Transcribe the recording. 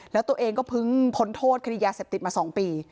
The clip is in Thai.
แล้วตัวเองก็เพิ่งพ้นโทษคดียาเสพติดมา๒ปี